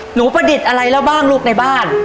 ประดิษฐ์อะไรแล้วบ้างลูกในบ้าน